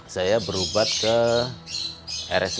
saya berubat ke rsud dipo